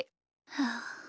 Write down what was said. はあ。